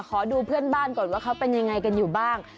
ขอดูเพื่อนบ้านก่อนว่าเขาเป็นยังไงกันอยู่บ้าง